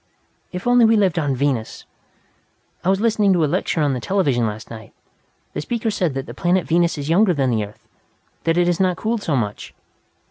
"If only we lived on Venus! I was listening to a lecture on the television, last night. The speaker said that the Planet Venus is younger than the Earth, that it has not cooled so much.